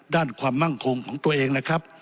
ด้านความมั่งคงของตัวเองนะครับ